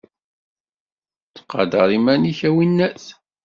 Ttqadar iman-ik, a winnat!